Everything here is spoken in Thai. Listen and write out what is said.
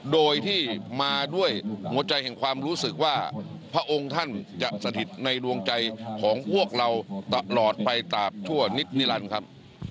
โดยที่มาด้วยหัวใจแห่งความรู้สึกว่าพระองค์ท่านจะสถิตในดวงใจของพวกเราตลอดไปตามชั่วนิดนิรันดิ์ครับ